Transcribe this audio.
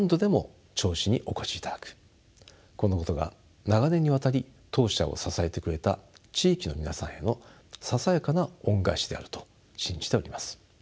このことが長年にわたり当社を支えてくれた地域の皆さんへのささやかな恩返しであると信じております。